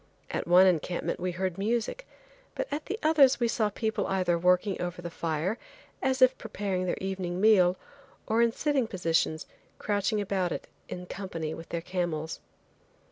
At one encampment we heard music, but at the others we saw the people either working over the fire, as if preparing their evening meal, or in sitting positions crouching about it in company with their camels.